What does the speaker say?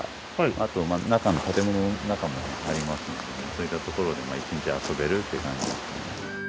あと建物の中もありますのでそういったところで一日遊べるって感じで。